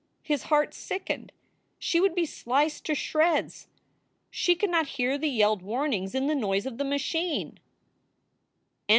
His heart sickened. She would be sliced to shreds. She could not hear the yelled warnings in the noise of the machine.